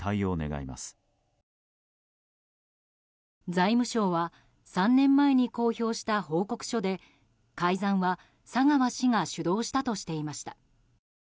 財務省は３年前に公表した報告書で改ざんは佐川氏が主導したとしていました。